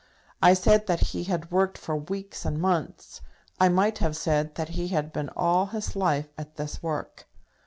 I said that he had worked for weeks and months. I might have said that he had been all his life at this work.